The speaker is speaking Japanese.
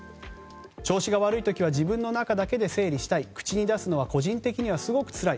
調子が悪い時は自分の中だけで整理したい口に出すのはすごくつらい